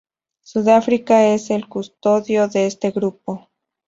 Sudáfrica es el custodio de este grupo.